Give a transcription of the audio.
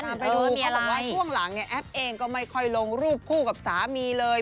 ไปดูเขาบอกว่าช่วงหลังเนี่ยแอปเองก็ไม่ค่อยลงรูปคู่กับสามีเลย